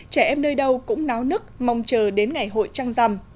trẻ em nơi đâu cũng náo nức mong chờ đến ngày hội trăng rằm